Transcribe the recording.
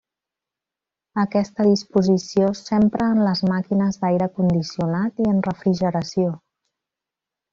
Aquesta disposició s'empra en les màquines d'aire condicionat i en refrigeració.